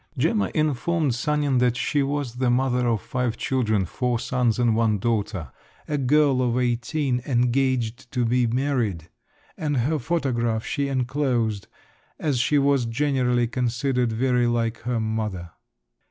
Gemma informed Sanin that she was the mother of five children, four sons and one daughter, a girl of eighteen, engaged to be married, and her photograph she enclosed as she was generally considered very like her mother.